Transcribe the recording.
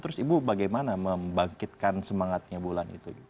terus ibu bagaimana membangkitkan semangatnya bulan itu